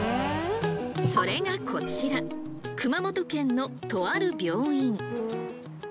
それがこちら熊本県のとある病院。